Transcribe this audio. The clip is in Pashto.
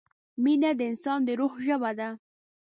مینه د انسان د روح ژبه ده.